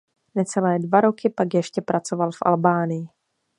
Necelé dva roky pak ještě pracoval v Albánii.